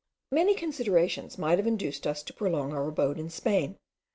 Many considerations might have induced us to prolong our abode in Spain.